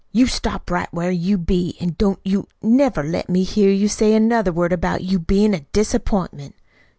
"You stop right where you be. An' don't you never let me hear you say another word about your bein' a disappointment.